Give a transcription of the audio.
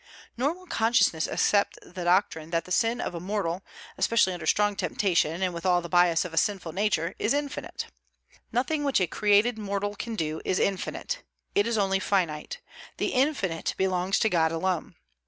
Nor will consciousness accept the doctrine that the sin of a mortal especially under strong temptation and with all the bias of a sinful nature is infinite. Nothing which a created mortal can do is infinite; it is only finite: the infinite belongs to God alone.